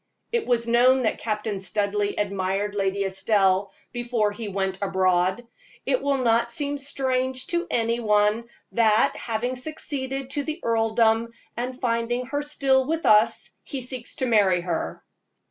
It was known that Captain Studleigh admired Lady Estelle before he went abroad; it will not seem strange to any one that, having succeeded to the earldom, and finding her still with us, he seeks to marry her.